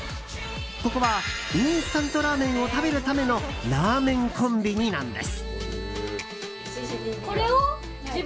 ここはインスタントラーメンを食べるためのラーメンコンビニなんです。